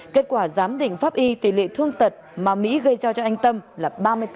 kết quả giám định pháp y tỷ lệ thương tật mà mỹ gây ra cho anh tâm là ba mươi bốn